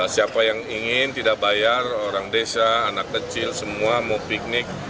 siapa yang ingin tidak bayar orang desa anak kecil semua mau piknik